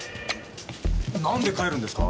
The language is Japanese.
何で帰るんですか？